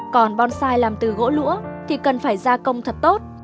còn bonsai làm từ gỗ lũa thì cần phải gia công thật tốt